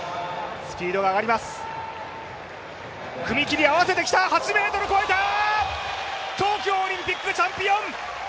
踏み切り合わせてきた、８ｍ越えた、東京オリンピックチャンピオン。